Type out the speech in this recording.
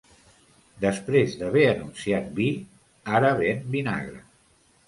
Després d'haver anunciat vi, ara ven vinagre.